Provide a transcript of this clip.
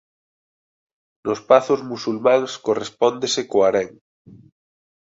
Nos pazos musulmáns correspóndese co harén.